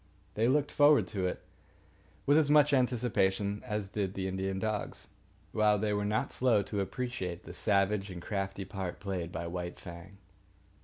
They looked forward to it with as much anticipation as did the Indian dogs, while they were not slow to appreciate the savage and crafty part played by White Fang.